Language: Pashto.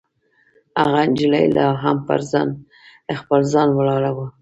هغه نجلۍ لا هم پر خپل ځای ولاړه وه.